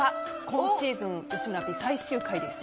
今シーズン吉村Ｐ最終回です。